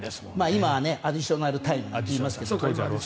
今はアディショナルタイムなんて言いますけど。